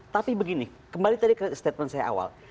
tapi begini kembali tadi ke statement saya awal